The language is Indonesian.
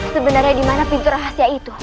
sebenarnya dimana pintu rahasia itu